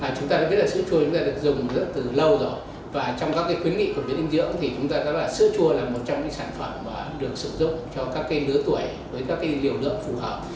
chúng ta đã biết sữa chua được dùng từ lâu rồi và trong các khuyến nghị của biến dinh dưỡng sữa chua là một trong những sản phẩm được sử dụng cho các đứa tuổi với các liều lượng phù hợp